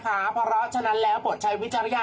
เพราะฉะนั้นแล้วปลดใช้วิจารณญาณ